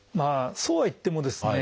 そうはいってもですね